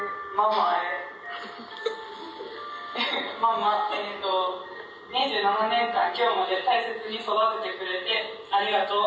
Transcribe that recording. ママ２７年間今日まで大切に育ててくれてありがとう。